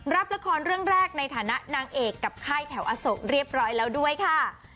รับละครเรื่องแรกในฐานะนางเอกกับค่ายแถวอโศกเรียบร้อยแล้วด้วยค่ะ